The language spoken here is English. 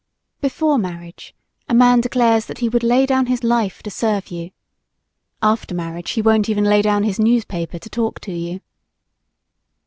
Before marriage, a man declares that he would lay down his life to serve you; after marriage, he won't even lay down his newspaper to talk to you.